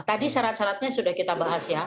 tadi syarat syaratnya sudah kita bahas ya